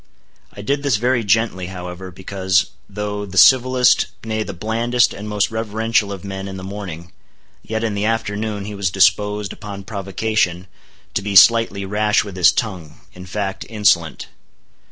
I did this very gently, however, because, though the civilest, nay, the blandest and most reverential of men in the morning, yet in the afternoon he was disposed, upon provocation, to be slightly rash with his tongue, in fact, insolent.